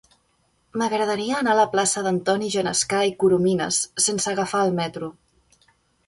M'agradaria anar a la plaça d'Antoni Genescà i Corominas sense agafar el metro.